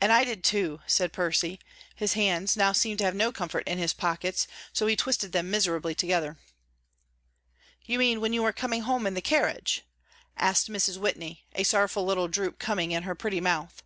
"And I did, too," said Percy. His hands now seemed to have no comfort in his pockets, so he twisted them miserably together. "You mean when you were coming home in the carriage?" asked Mrs. Whitney, a sorrowful little droop coming in her pretty mouth.